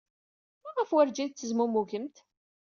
Maɣef werjin tettezmumugemt?